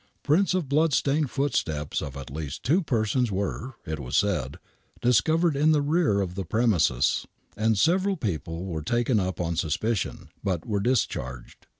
Prints of blood stained footsteps of at least two persons were, it was said, discovered in the rear of the premises, and several people were taken up on suspicion, but were discharged.